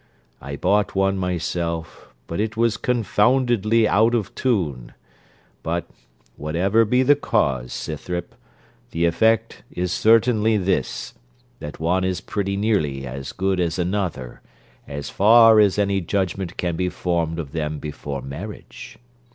I bought one myself, but it was confoundedly out of tune; but, whatever be the cause, Scythrop, the effect is certainly this, that one is pretty nearly as good as another, as far as any judgment can be formed of them before marriage.